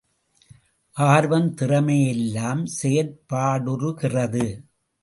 ஆர்வம், திறமை யெல்லாம் செயற்பாடுறுகிறது!